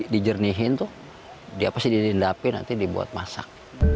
dijernihin tuh diapasih didendapi nanti dibuat masak